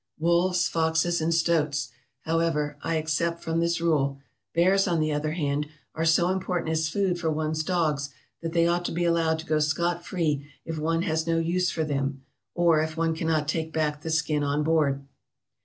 Wolves, foxes, and stoats, however, I except from this rule; bears, on the other hand, are so important as food for one's dogs that they ought to be allowed to go scot free if one has no use for them, or if one cannot take back the skin on board."